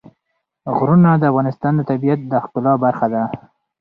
غرونه د افغانستان د طبیعت د ښکلا برخه ده.